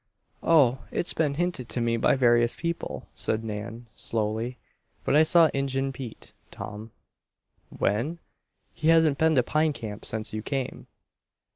"Oh, it's been hinted to me by various people," said Nan, slowly. "But I saw Injun Pete, Tom." "When? He hasn't been to Pine Camp since you came."